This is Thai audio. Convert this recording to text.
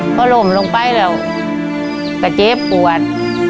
เขาลมลงไปแล้วกระเจฟปวด